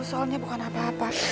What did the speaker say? soalnya bukan apa apa